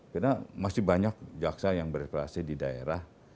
karena masih banyak jaksa yang berkreasi di daerah